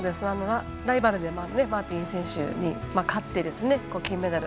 ライバルのマーティン選手に勝って金メダル。